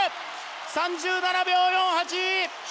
３７秒４８。